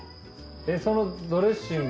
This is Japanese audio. そのドレッシング。